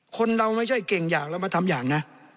คนเราไม่ใช่เก่งอย่างเรามาทำอย่างนะ